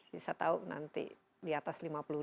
bisa tahu nanti diatas lima puluh